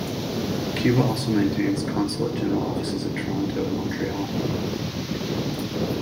Cuba also maintains Consulate General offices in Toronto and Montreal.